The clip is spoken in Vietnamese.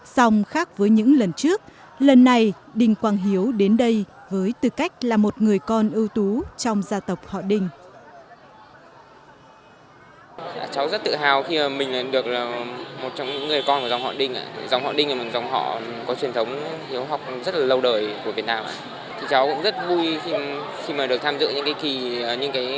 xong khác với những lần trước lần này đinh quang hiếu đến đây với tư cách là một người con ưu tú trong gia tộc họ đinh